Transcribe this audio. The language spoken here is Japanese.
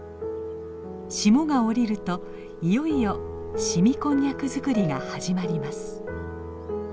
霜が降りるといよいよ凍みこんにゃく作りが始まります。